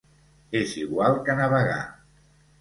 És igual que navegar.